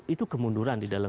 itu kemunduran di dalam